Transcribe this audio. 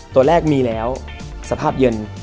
ตัวแรกมีแล้วสภาพเย็น